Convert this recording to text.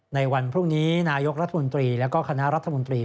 ในวันพรุ่งนี้นายกรัฐมนตรีและคณะรัฐมนตรี